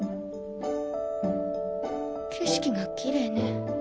景色がきれいね。